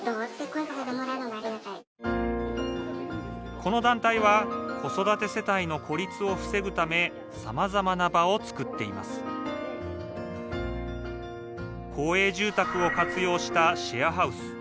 この団体は子育て世帯の孤立を防ぐためさまざまな場を作っています公営住宅を活用したシェアハウス。